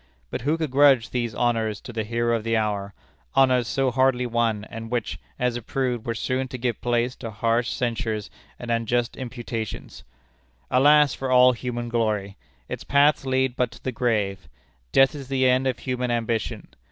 But who could grudge these honors to the hero of the hour honors so hardly won, and which, as it proved, were soon to give place to harsh censures and unjust imputations? Alas for all human glory! Its paths lead but to the grave. Death is the end of human ambition.